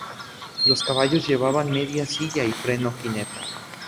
Los caballos llevaban media silla y freno-gineta.